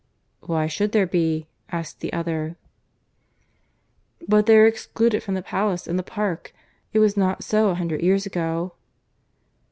"Why should there be?" asked the other. "But they are excluded from the palace and the park. It was not so a hundred years ago."